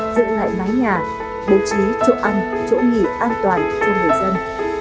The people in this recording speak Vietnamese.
dựng lại mái nhà bố trí chỗ ăn chỗ nghỉ an toàn cho người dân